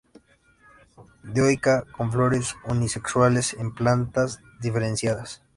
Dioica, con flores unisexuales en plantas diferenciadas.